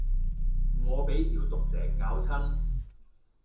我俾條毒蛇咬親